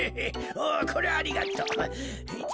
おこりゃありがとう。